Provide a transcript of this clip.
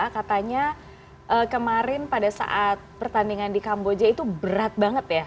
katanya kemarin pada saat pertandingan di kamboja itu berat banget ya